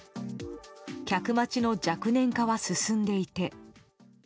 客待ちの若年化は進んでいて。